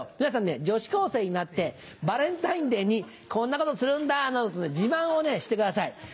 皆さん女子高生になって「バレンタインデーにこんなことするんだ」などと自慢をしてください